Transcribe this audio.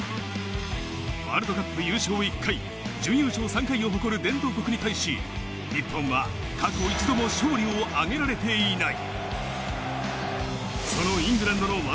ワールドカップ優勝１回、準優勝３回を誇る伝統国に対し、日本は過去一度も勝利を挙げられていない。